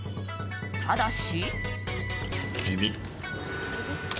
ただし。